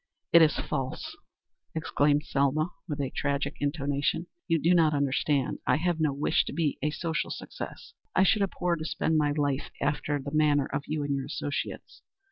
"It is false," exclaimed Selma, with a tragic intonation. "You do not understand. I have no wish to be a social success. I should abhor to spend my life after the manner of you and your associates.